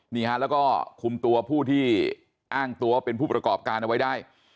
นี่ฮะแล้วก็คุมตัวผู้ที่อ้างตัวเป็นผู้ประกอบการเอาไว้ได้